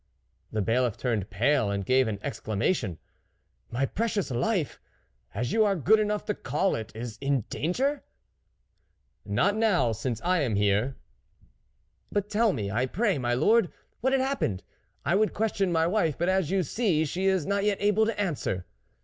The Bailiff turned pale and gave an exclamation. " My precious life, as you are good enough to call it, is in danger ?"" Not now, since I am here." " But tell me, I pray, my lord, what had happened ? I would question my wife, but as you see she is not yet able to answer."